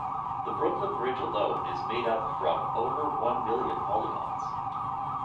The Brooklyn Bridge alone is made up from over one million polygons.